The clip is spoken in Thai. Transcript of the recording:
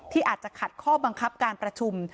อาจจะขัดข้อบังคับการประชุม